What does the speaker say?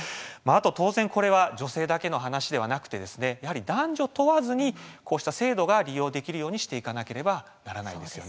当然これは女性だけの話ではなく男女問わずこうした制度が利用できるようにしていかなければならないですね。